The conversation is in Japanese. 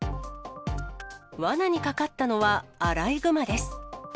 わなにかかったのはアライグマです。